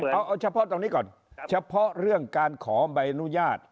เอาเฉพาะตรงนี้ก่อนเฉพาะเรื่องการขอใบอนุญาต